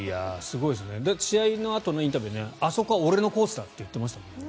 試合のあとのインタビューであそこは俺のコースだって言ってましたもんね。